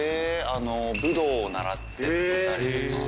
武道を習っていたりとか。